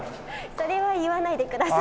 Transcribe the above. それは言わないでください。